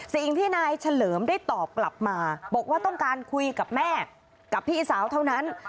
สิ่งที่นายเฉลิมได้ตอบกลับมาบอกว่าต้องการคุยกับแม่กับพี่สาวเท่านั้น